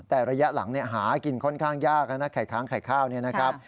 แต่ระยะหลังหากินค่อนข้างยากนะไข่ค้างไข่ข้าวเนี่ยนะครับ